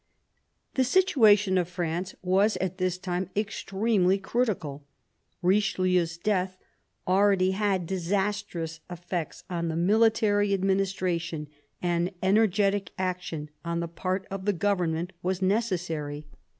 The situation of Fraiye was at this time extremely critical. Richelieu's death already had disastrous effects on the military administration, and energetic action on the part of the government was necessary.